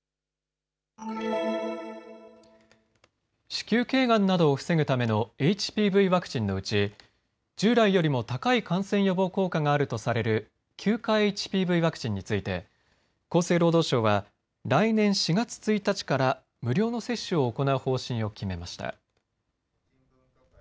子宮頸がんなどを防ぐためのＨＰＶワクチンのうち従来よりも高い感染予防効果があるとされる９価ＨＰＶワクチンについて厚生労働省は来年４月１日から無料の接種を行う方針を決めました。